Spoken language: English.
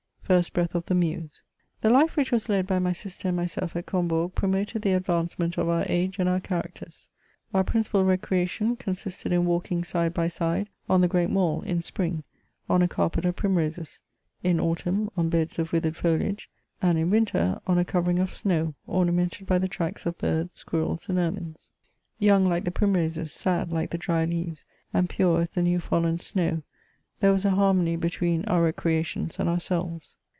FIRST BREATH OF THE MUSE. The life which was led by my sister and myself at Combourg promoted the advancement of our age and our characters. Our principal recreation consisted in walking, side by side, on the great Mall, in spring, on a carpet of primroses ; in autunm, on beds of withered foliage ; and in winter, on a covering of snow, ornamented by the tracks of birds, squirrels, and ermines. Young like the primroses, sad like the dry leaves, and pure as the new fallen snow, there was a harmony between our recrea tions and ourselves.